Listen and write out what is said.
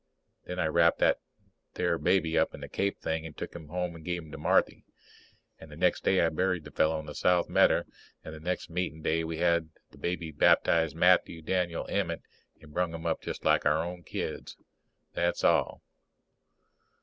Then I wrapped that there baby up in the cape thing and took him home and give him to Marthy. And the next day I buried the fellow in the south medder and next meetin' day we had the baby baptized Matthew Daniel Emmett, and brung him up just like our own kids. That's all.